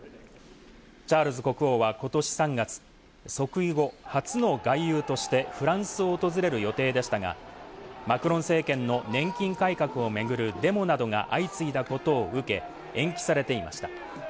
チャールズ国王は、ことし３月、即位後初の外遊としてフランスを訪れる予定でしたが、マクロン政権の年金改革を巡るデモなどが相次いだことを受け、延期されていました。